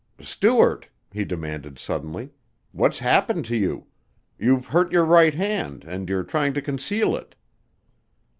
"Stuart," he demanded suddenly, "what's happened to you? You've hurt your right hand and you're trying to conceal it."